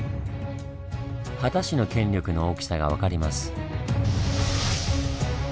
秦氏の権力の大きさが分かります。